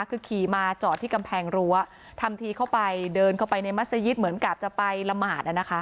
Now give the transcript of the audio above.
คือขี่มาจอดที่กำแพงรั้วทำทีเข้าไปเดินเข้าไปในมัศยิตเหมือนกับจะไปละหมาด